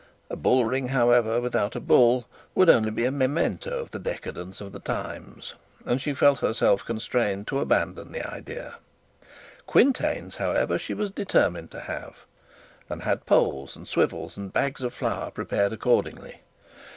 A bull ring, however, without a bull would only be a memento of the decadence of the times, and she felt herself constrained to abandon the idea. Quintains, however, she was determined to have, and had poles and swivels and bags of flour prepared accordingly.